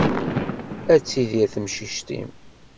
Ad tidir temcict-im.